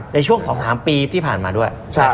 ในช่วง๒๓ปีที่ผ่านมาด้วย